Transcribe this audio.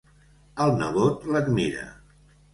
El nebot l'admira.